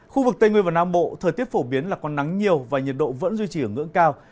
khu vực tây nguyên và nam bộ thời tiết phổ biến là có nắng nhiều và nhiệt độ vẫn duy trì ở ngưỡng cao